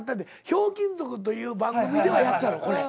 『ひょうきん族』という番組ではやったのこれ。